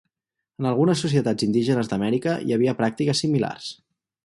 En algunes societats indígenes d'Amèrica hi havia pràctiques similars.